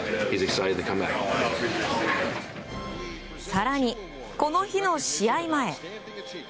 更に、この日の試合前。